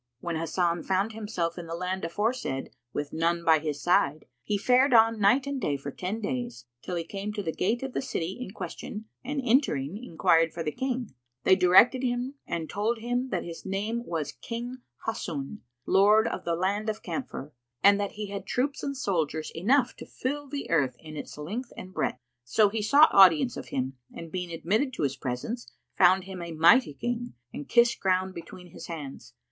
When Hasan found himself in the land aforesaid with none by his side he fared on night and day for ten days, till he came to the gate of the city in question and entering, enquired for the King. They directed him to him and told him that his name was King Hassún,[FN#118] Lord of the Land of Camphor, and that he had troops and soldiers enough to fill the earth in its length and breadth. So he sought audience of him and, being admitted to his presence, found him a mighty King and kissed ground between his hands.